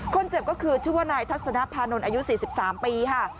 คนเจ็บก็คือชื่อว่านายทัศนภานนท์อายุ๔๓ปีค่ะ